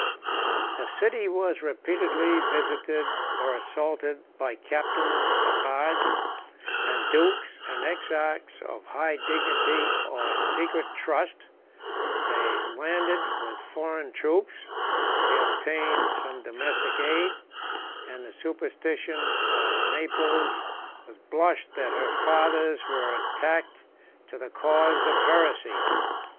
The city was repeatedly visited or assaulted by captains of the guards, and dukes and exarchs of high dignity or secret trust; they landed with foreign troops, they obtained some domestic aid, and the superstition of Naples may blush that her fathers were attached to the cause of heresy.